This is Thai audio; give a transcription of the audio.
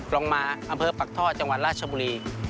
ลงมาอำเภอปักท่อจังหวัดราชบุรี